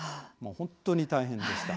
本当に大変でした。